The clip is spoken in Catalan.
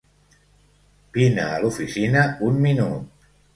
Vine a l'oficina un minut.